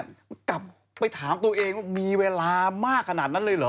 กลับไปถามตัวเองว่ามีเวลามากขนาดนั้นเลยเหรอ